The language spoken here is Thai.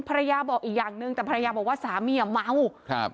ภรรยาบอกอีกอย่างหนึ่งแต่ภรรยาบอกว่าสามีอ่ะเมาครับ